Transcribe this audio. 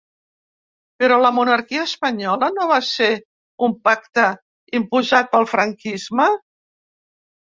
Però la monarquia espanyola no va ser un pacte imposat pel franquisme?